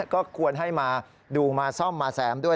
ก็ควรให้มาดูมาซ่อมมาแซมด้วย